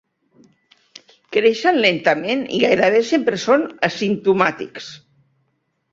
Creixen lentament i gairebé sempre són asimptomàtics.